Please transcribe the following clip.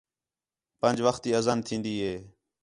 پنڄ وَخت تی اَذان تِھین٘دی ہِے